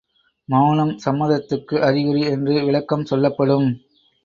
மவுனம் சம்மதத்துக்கு அறிகுறி என்று விளக்கம் சொல்லப்படும்.